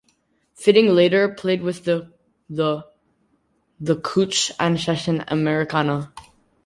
Fitting later played with The The, The Coots and Session Americana.